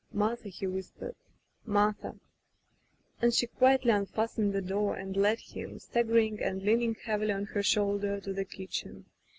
" Martha !'' he whispered, " Martha r* And she quiedy unfastened the door and led him, staggering and leaning heavily on her shoulder, to the kitchen.